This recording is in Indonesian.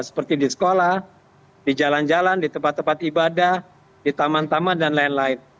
seperti di sekolah di jalan jalan di tempat tempat ibadah di taman taman dan lain lain